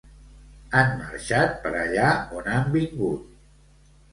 Han marxat per allà on han vingut